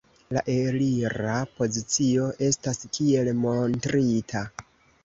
La elira pozicio estas kiel montrita.